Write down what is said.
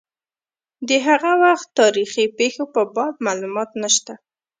د هغه وخت تاریخي پېښو په باب معلومات نشته.